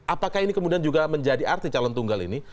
apakah ini kemudian juga menjadi arti calon tunggal ini